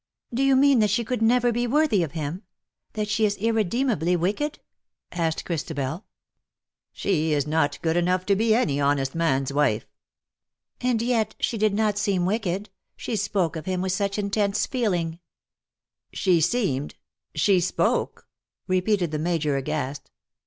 " Do you mean that she could never be worthy of him — that she is irredeemably wicked ?" asked Christabel. 38 ^^ GRIEF A FIXED STAR, '•' She is not good enough to be any honest man's wife/' " And yet she did not seem wicked : she spoke of him with such intense feeling/' " She seemed — she spoke !" repeated the Major aghast.